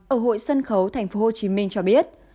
ở hội sân khấu tp hcm cho biết